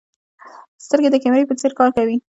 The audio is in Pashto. سترګې د کیمرې په څېر کار کوي.